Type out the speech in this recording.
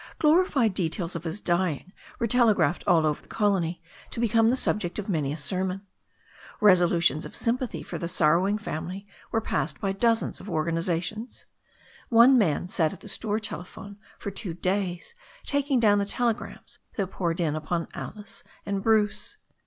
Glorified details of his dying were telegraphed all over the colony, to become the subject of many a sermon. Resolu tions of sympathy iot llv^ sorrowing family were passed by dozens of organizations. Oive TCkaxv sa.\. ^\. 'Ccir. %\a\^ i^letjhone THE STORY OF A NEW ZEALAND RIVER 411 for two days taking down the telegrams that poured in upon Alice and Bruce.